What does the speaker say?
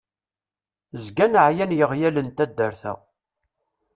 Zgan εyan yiɣyal n taddart-a.